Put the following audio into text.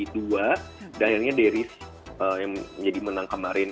dan akhirnya deris yang jadi menang kemarin